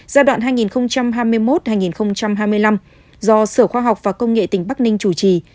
giai đoạn hai nghìn hai mươi một hai nghìn hai mươi năm do sở khoa học và công nghệ tỉnh bắc ninh chủ trì